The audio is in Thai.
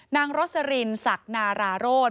นางรสรินศ์ศักดิ์นาราโรด